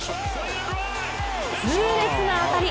痛烈な当たり。